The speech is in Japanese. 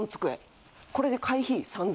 これで。